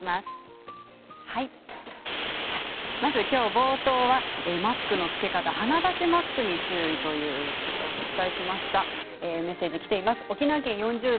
冒頭はマスクの着け方鼻だしマスクに注意ということをお伝えしました。